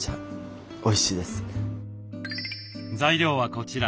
材料はこちら。